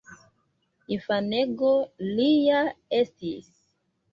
Infanego li ja estis.